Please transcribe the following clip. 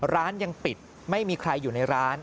ร้านยังปิดไม่มีใครอยู่ในร้าน